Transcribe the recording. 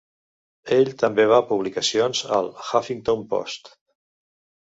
Ell també va publicacions al "Huffington Post".